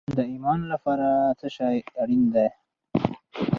د ایمان لپاره څه شی اړین دی؟